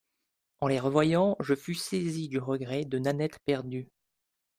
En les revoyant, je fus saisi du regret de Nanette perdue.